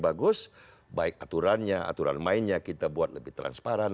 bagus baik aturannya aturan mainnya kita buat lebih transparan